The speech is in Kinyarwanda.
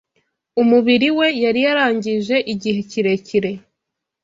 Umubiri we, yari yarangije igihe kirekire